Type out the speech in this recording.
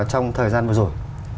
trong thời gian vừa rồi